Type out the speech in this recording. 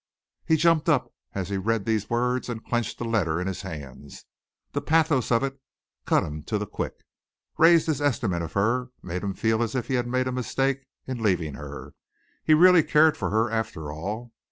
He jumped up as he read these words and clenched the letter in his hands. The pathos of it all cut him to the quick, raised his estimate of her, made him feel as if he had made a mistake in leaving her. He really cared for her after all.